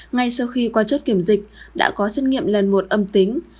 ngay sau khi qua chốt kiểm dịch đã có xét nghiệm lần một âm tính